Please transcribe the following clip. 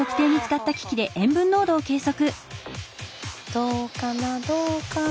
どうかなどうかな？